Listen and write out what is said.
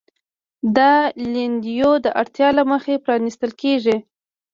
دا لیندیو د اړتیا له مخې پرانیستل کېږي.